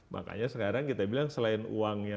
makanya sekarang kita bilang selain uangnya